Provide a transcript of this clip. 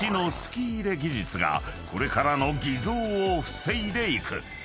［これからの偽造を防いでいく］